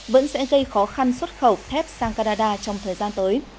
vẫn sẽ gây khó khăn xuất khẩu thép sang canada trong thời gian tới